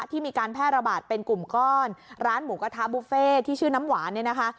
มีการแพร่ระบาดเป็นกลุ่มก้อนร้านหมูกระทะบุฟเฟ่ที่ชื่อน้ำหวานเนี่ยนะคะ